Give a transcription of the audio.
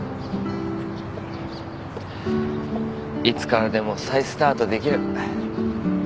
いつからでも再スタートできる。